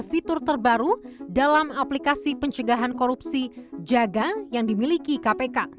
fitur terbaru dalam aplikasi pencegahan korupsi jaga yang dimiliki kpk